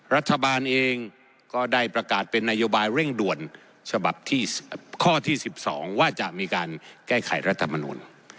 รัฐบาลเองก็ได้ประกาศเป็นนโยบายเร่งด่วนฉบับที่ข้อที่๑๒ว่าจะมีการแก้ไขรัฐมนุน